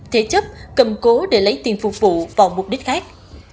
thế chấp cầm cố để lấy tiền phục vụ vào mục đích khác